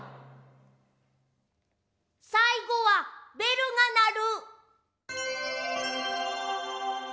さいごは「べるがなる」。